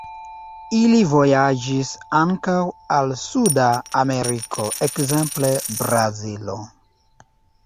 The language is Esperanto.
Ili vojaĝis ankaŭ al suda Ameriko, ekzemple Brazilo.